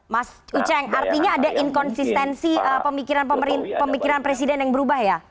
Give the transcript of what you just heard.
mas uceng artinya ada inkonsistensi pemikiran presiden yang berubah ya